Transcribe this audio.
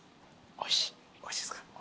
・おいしいっすか。